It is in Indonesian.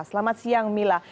selamat siang mila